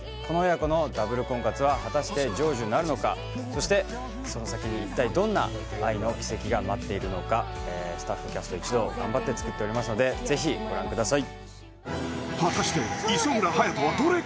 この親子のダブル婚活は果たして成就なるのかそしてその先に一体どんな愛の奇跡が待っているのかスタッフキャスト一同頑張ってつくっておりますのでぜひご覧ください